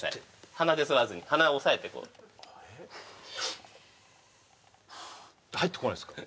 鼻で吸わずに鼻を押さえてこう入ってこないですか？